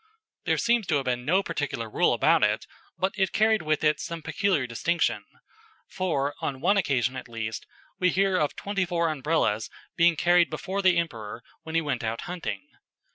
There seems to have been no particular rule about it, but it carried with it some peculiar distinction; for, on one occasion at least, we hear of twenty four Umbrellas being carried before the Emperor when he went out hunting.